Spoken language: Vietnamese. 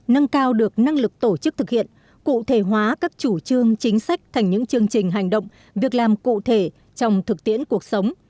nâng cao được năng lực tổ chức thực hiện cụ thể hóa các chủ trương chính sách thành những chương trình hành động việc làm cụ thể trong thực tiễn cuộc sống